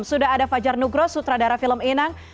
sudah ada fajar nugro sutradara film inang